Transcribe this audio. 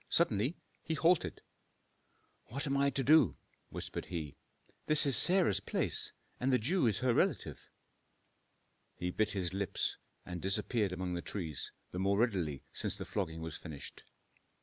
Suddenly he halted. "What am I to do?" whispered he. "This is Sarah's place, and the Jew is her relative." He bit his lips, and disappeared among the trees, the more readily since the flogging was finished.